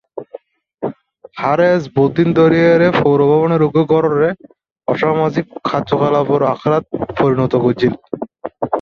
Haaretz দীর্ঘদিন ধরে পৌর ভবনের একটি ঘরকে অসামাজিক কার্যকলাপের আখড়ায় পরিণত করেছিলেন।